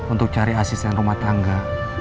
untuk cari asisten rumah tangga